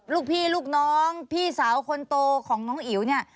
ลูกพี่ลูกน้องพี่สาวคนโตของน้องอิ๋วเนี่ย